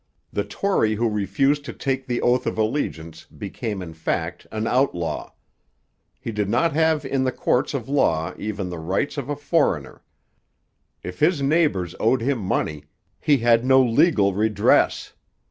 The Tory who refused to take the oath of allegiance became in fact an outlaw. He did not have in the courts of law even the rights of a foreigner. If his neighbours owed him money, he had no legal redress.